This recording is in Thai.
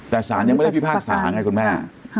แต่สารยังไม่ได้พิพากษาไงคุณแม่